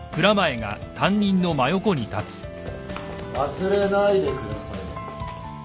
忘れないでくださいね。